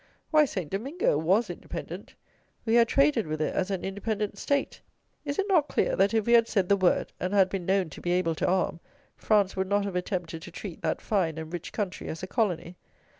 Why, Saint Domingo was independent. We had traded with it as an independent state. Is it not clear that if we had said the word (and had been known to be able to arm), France would not have attempted to treat that fine and rich country as a colony?